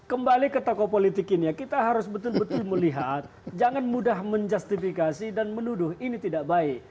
kembali ke tokoh politik ini ya kita harus betul betul melihat jangan mudah menjustifikasi dan menuduh ini tidak baik